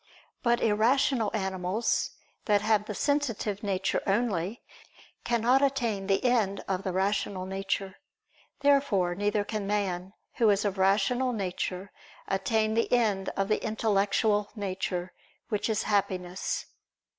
But irrational animals that have the sensitive nature only, cannot attain the end of the rational nature. Therefore neither can man, who is of rational nature, attain the end of the intellectual nature, which is Happiness.